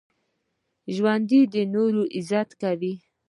ژوندي د نورو عزت کوي